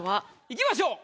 いきましょう。